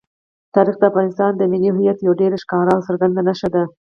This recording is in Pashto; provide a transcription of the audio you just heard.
تاریخ د افغانستان د ملي هویت یوه ډېره ښکاره او څرګنده نښه ده.